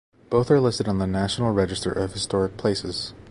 Both are listed on the National Register of Historic Places.